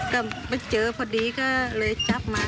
ก็ไปเจอพอดีก็เลยจับมา